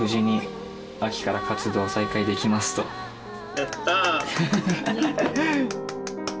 「やった！」。